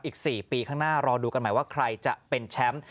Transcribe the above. อีก๔ปีข้างหน้ารอดูกันใหม่ว่าใครจะเป็นแชมป์